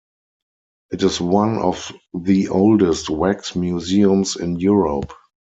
It is one of the oldest wax museums in Europe.